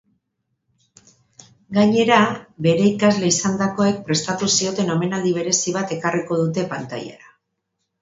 Gainera, bere ikasle izandakoek prestatu zioten omenaldi berezi bat ekarriko dute pantailara.